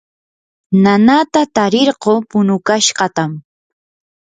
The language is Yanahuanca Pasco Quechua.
nanata tarirquu punukashqatam